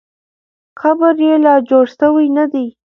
قبر یې لا جوړ سوی نه دی.